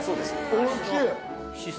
おいしい！